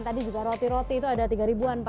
tadi juga roti roti itu ada tiga ribuan pak